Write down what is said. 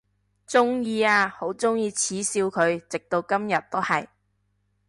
鍾意啊，好鍾意恥笑佢，直到今日都係！